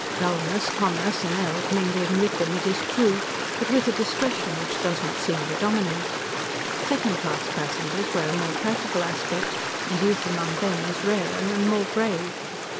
Dulness, commerce, and eld mingling with them, it is true, but with a discretion which does not seem to dominate. Second class passengers wear a more practical aspect, and youth among them is rarer and more grave.